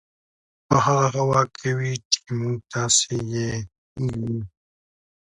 په هغه هوا کې وي چې موږ تاسې یې